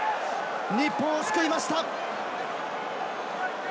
日本を救いました。